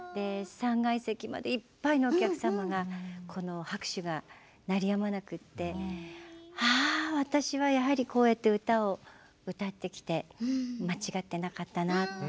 ３階席までいっぱいのお客様の拍手が鳴りやまなくて私はやはりこうやって歌を歌ってきて間違っていなかったなって